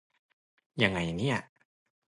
ยังไงเนี่ย